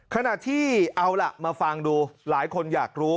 ขณะที่เอาล่ะมาฟังดูหลายคนอยากรู้